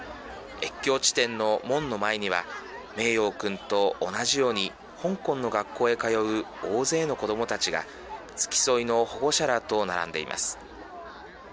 越境地点の門の前には名洋くんと同じように香港の学校へ通う大勢の子どもたちが付き添いの保護者らと並んでいます。